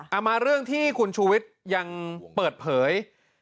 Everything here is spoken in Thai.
มาเรื่องที่คุณชูวิทย์ยังเปิดเผย